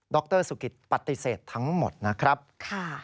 รสุกิตปฏิเสธทั้งหมดนะครับ